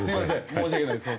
申し訳ないです。